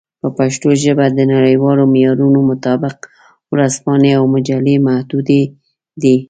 په پښتو ژبه د نړیوالو معیارونو مطابق ورځپاڼې او مجلې محدودې دي.